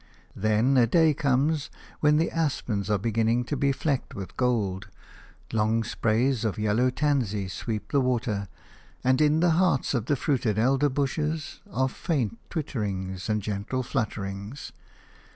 Then a day comes when the aspens are beginning to be flecked with gold, long sprays of yellow tansy sweep the water, and in the hearts of the fruited elder bushes are faint twitterings and gentle flutterings.